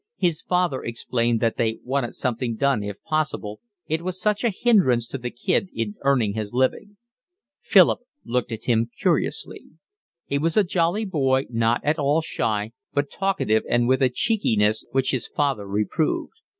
His father explained that they wanted something done if possible, it was such a hindrance to the kid in earning his living. Philip looked at him curiously. He was a jolly boy, not at all shy, but talkative and with a cheekiness which his father reproved.